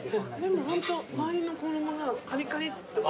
でもホント周りの衣がカリカリ。